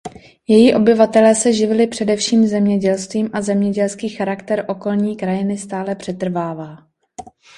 Její obyvatelé se živili především zemědělstvím a zemědělský charakter okolní krajiny stále přetrvává.